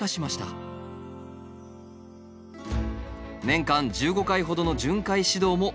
年間１５回ほどの巡回指導も行っています。